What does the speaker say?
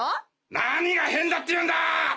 何が変だって言うんだ！！